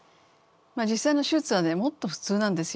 実際の手術はねもっと普通なんですよ。